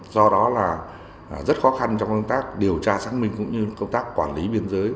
do đó là rất khó khăn trong công tác điều tra xác minh cũng như công tác quản lý biên giới